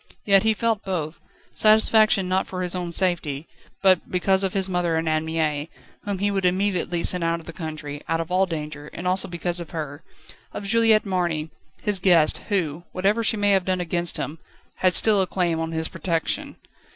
Yet he felt both satisfaction not for his own safety, but because of his mother and Anne Mie, whom he would immediately send out of the country, out of all danger; and also because of her, of Juliette Marny, his guest, who, whatever she may have done against him, had still a claim on his protection.